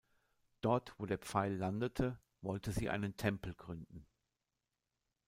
Dort wo der Pfeil landete, wollte sie einen Tempel gründen.